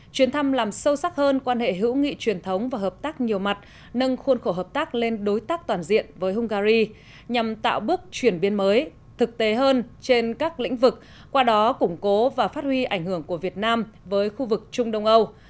chuyến thăm làm sâu sắc hơn quan hệ hữu nghị truyền thống và hợp tác nhiều mặt nâng khuôn khổ hợp tác lên đối tác toàn diện với hungary nhằm tạo bước chuyển biến mới thực tế hơn trên các lĩnh vực qua đó củng cố và phát huy ảnh hưởng của việt nam với khu vực trung đông âu